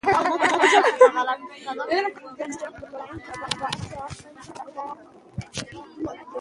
غزني د افغانستان د ناحیو ترمنځ مهم تفاوتونه رامنځ ته کوي.